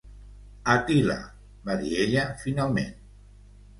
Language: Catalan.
"Attila," va dir ella finalment.